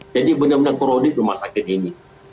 jadi benar benar kerodit rumah sakit ini